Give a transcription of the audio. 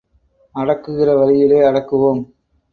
அடக்குகிற வழியிலே அடக்குவோம்.